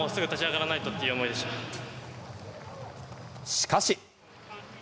しかし。